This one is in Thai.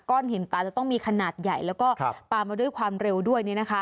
หินตาจะต้องมีขนาดใหญ่แล้วก็ปลามาด้วยความเร็วด้วย